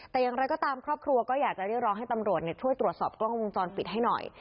แต่อย่างไรก็ตามครอบครัวก็อยากจะเรียกร้องให้ตำรวจช่วยตรวจสอบกล้องวงจรปิดให้หน่อย